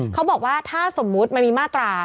เขาบอกว่าถ้าสมมุติมันมีมาตรา